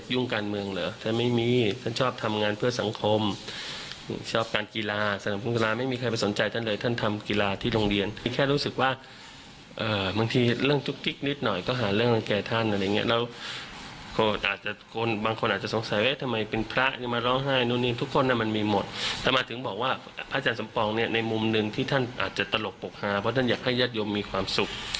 ก็คือหัวหนึ่งที่ท่านอาจจะตลกปกฮาเพราะท่านอยากให้ยัตโลมมีความสุข